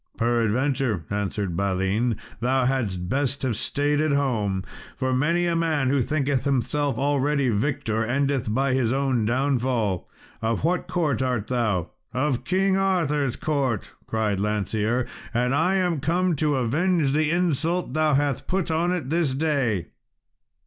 "Peradventure," answered Balin, "thou hadst best have staid at home, for many a man who thinketh himself already victor, endeth by his own downfall. Of what court art thou?" "Of King Arthur's court," cried Lancear, "and I am come to revenge the insult thou hast put on it this day."